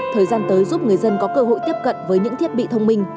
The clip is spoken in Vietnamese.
thời gian tới giúp người dân có cơ hội tiếp cận với những thiết bị thông minh